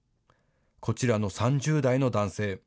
こちらの３０代の男性。